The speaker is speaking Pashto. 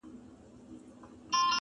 هره ورځ به يې د شپې لور ته تلوار وو٫